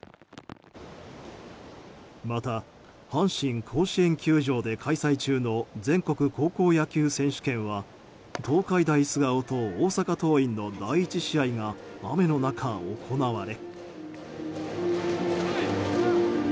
また、阪神甲子園球場で開催中の全国高校野球選手権は東海大菅生と大阪桐蔭の第１試合が雨の中行われ。